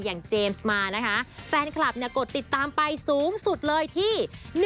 เจมส์มานะคะแฟนคลับกดติดตามไปสูงสุดเลยที่